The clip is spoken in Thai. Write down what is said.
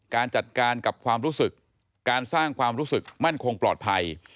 การจัดการกับความรู้สึกการสร้างความรู้สึกมั่นคงปลอดภัย